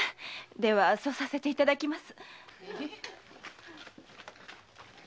ではそうさせていただきます。